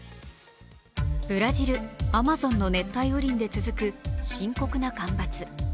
ブラジル・アマゾンの熱帯雨林で続く深刻な干ばつ。